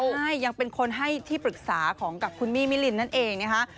ใช่ยังเป็นคนให้ที่ปรึกษาของกับคุณมี่มิลินนั่นเองนะคะ